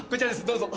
どうぞ。